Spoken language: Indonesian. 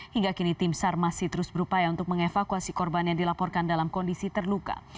hingga kini tim sar masih terus berupaya untuk mengevakuasi korban yang dilaporkan dalam kondisi terluka